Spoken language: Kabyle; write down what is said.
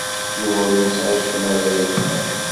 Yuba ur yesɛi acemma ara yeffer.